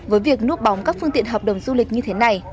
với việc núp bóng các phương tiện hợp đồng du lịch như thế này